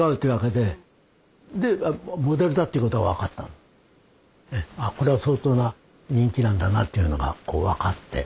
でこれは相当な人気なんだなっていうのがこう分かって。